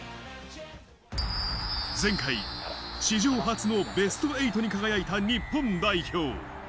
前回、史上初のベスト８に輝いた日本代表。